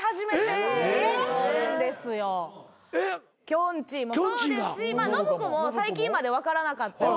きょんちぃもそうですし信子も最近まで分からなかったので。